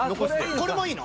これもいいの？